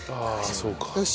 あそうか。